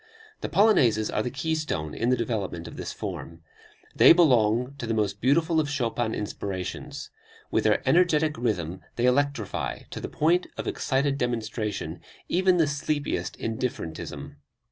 The Polonaises are the keystone in the development of this form. They belong to the most beautiful of Chopin inspirations. With their energetic rhythm they electrify, to the point of excited demonstration, even the sleepiest indifferentism.